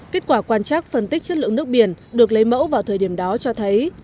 kết quả quan trắc phân tích chất lượng nước biển được lấy mẫu vào thời điểm đó cho thấy